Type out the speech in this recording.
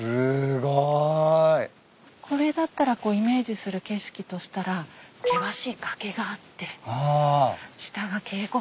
これだったらイメージする景色としたら険しい崖があって下が渓谷流れていて。